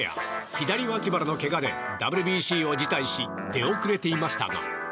左脇腹のけがでＷＢＣを辞退し出遅れていましたが。